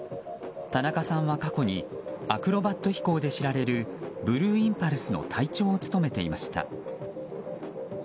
田中さんは過去にアクロバット飛行で知られるブルーインパルスの隊長を務めていました。